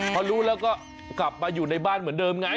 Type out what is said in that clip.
พอรู้แล้วก็กลับมาอยู่ในบ้านเหมือนเดิมไง